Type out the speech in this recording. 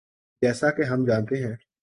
جیسا کہ ہم جانتے ہیں۔